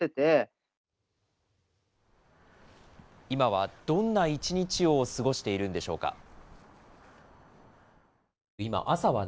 今はどんな一日を過ごしているんでしょうか。